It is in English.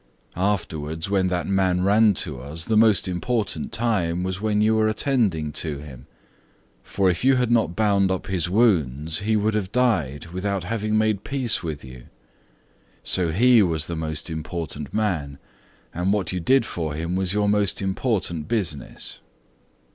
Afterwards when that man ran to us, the most important time was when you were attending to him, for if you had not bound up his wounds he would have died without having made peace with you. So he was the most important man, and what you did for him was your most important business.